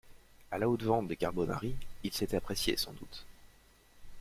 A la Haute Vente des carbonari, ils s'étaient appréciés, sans doute.